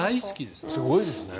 すごいですね。